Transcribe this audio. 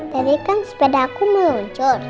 tadi kan sepeda aku meluncur